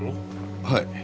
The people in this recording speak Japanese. はい。